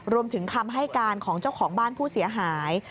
รวมถึงคำให้การของเจ้าของบ้านผู้เสียหาย